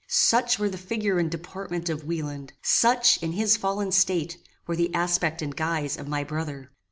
Such were the figure and deportment of Wieland! Such, in his fallen state, were the aspect and guise of my brother!